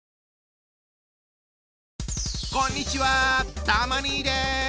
こんにちはたま兄です。